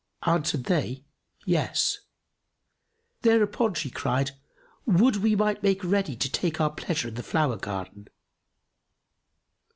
Answered they, "Yes." Thereupon she cried, "Would we might make ready to take our pleasure in the flower garden!"